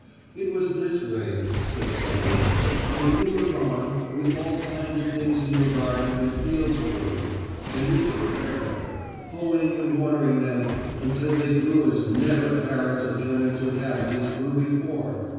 "It was this way," said Sammie, "when you were gone we all planted things in your garden and fields for you, and we took care of them, hoeing and watering them, until they grew as never carrots or turnips or cabbages grew before.